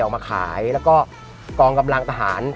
ออกมาขายแล้วก็กองกำลังทหาร